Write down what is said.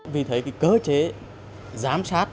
vì thế cơ chế giám sát